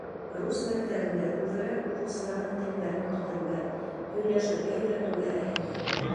Рус мәктәбендә күберәк уҡыусыларҙың телмәрен үҫтереүгә, һөйләшергә өйрәтеүгә әһәмиәт бирелә.